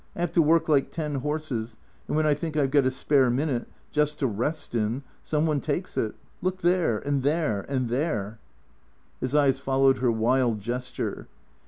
I have to work like ten horses, and when I think I 've got a spare minute, just to rest in, some one takes it. Look there. And there. And there." His eyes followed her wild gesture.